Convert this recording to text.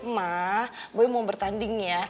ma boy mau bertanding ya